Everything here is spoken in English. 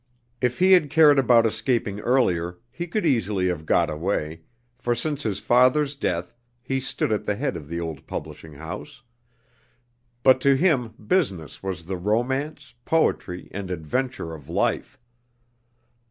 If he had cared about escaping earlier he could easily have got away, for since his father's death he stood at the head of the old publishing house; but to him business was the romance, poetry, and adventure of life.